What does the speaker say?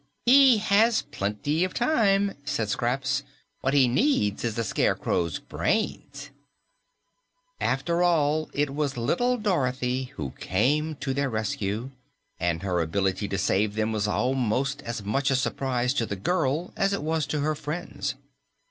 "He has plenty of time," said Scraps. "What he needs is the Scarecrow's brains." After all, it was little Dorothy who came to their rescue, and her ability to save them was almost as much a surprise to the girl as it was to her friends.